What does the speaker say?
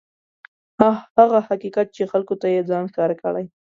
هغه حقیقت چې خلکو ته یې ځان ښکاره کړی.